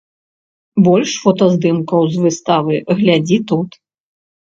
Больш фотаздымкаў з выставы глядзі тут.